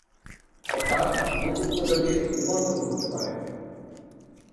অর্থাৎ নতুন প্রজাতির রূপান্তর ঘটতে পারে।